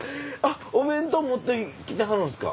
お弁当持ってきてはるんですか？